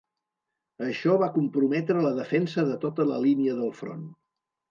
Això va comprometre la defensa de tota la línia del front.